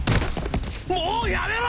もうやめろ！